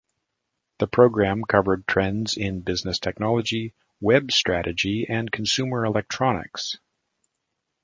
The program covered trends in business technology, web strategy, and consumer electronics.